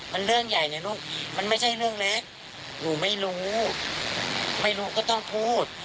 มันเรื่องใหญ่นะลูกมันไม่ใช่เรื่องเล็กหนูไม่รู้ไม่รู้ก็ต้องพูด